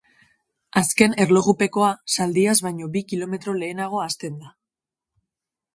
Azken erlojupekoa Saldias baino bi kilometro lehenago hasten da.